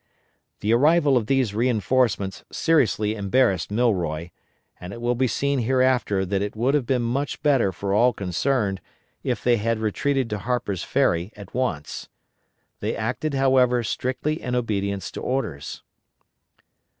The arrival of these reinforcements seriously embarrassed Milroy; and it will be seen hereafter that it would have been much better for all concerned if they had retreated to Harper's Ferry at once. They acted, however, strictly in obedience to orders.